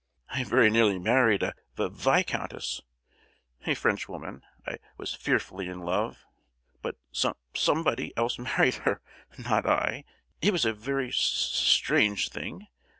I very nearly married a vi—viscountess, a French woman. I was fearfully in love, but som—somebody else married her, not I. It was a very s—strange thing.